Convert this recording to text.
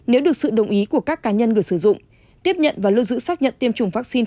nếu được sự đồng ý của các cá nhân người sử dụng tiếp nhận và lưu giữ xác nhận tiêm chủng vaccine